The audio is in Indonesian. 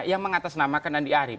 yang mengatasnamakan andi arief